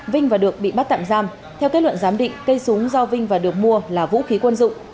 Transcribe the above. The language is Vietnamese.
vinh và được bị bắt tạm giam theo kết luận giám định cây súng do vinh và được mua là vũ khí quân dụng